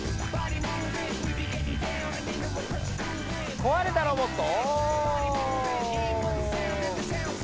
こわれたロボット。